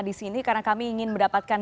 di sini karena kami ingin mendapatkan